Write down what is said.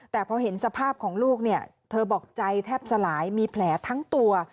แต่พอเห็นสภาพของลูกเนี่ยเธอบอกใจแทบสลายมีแผลทั้งตัว